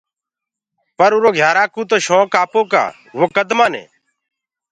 پر اُرو گھيارآ ڪوُ تو شونڪ آپوڪآ وو ڪد مآني۔